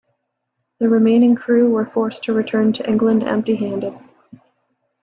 The remaining crew were forced to return to England empty-handed.